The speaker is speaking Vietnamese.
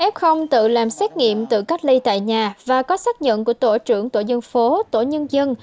f tự làm xét nghiệm tự cách ly tại nhà và có xác nhận của tổ trưởng tổ dân phố tổ nhân dân